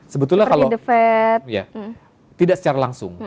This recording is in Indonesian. sebetulnya kalau tidak secara langsung